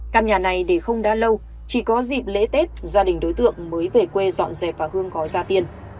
căn nhà này để không đa lâu chỉ có dịp lễ tết gia đình đối tượng mới về quê dọn dẹp và hương có ra tiền